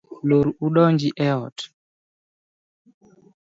Lor u donji e ot.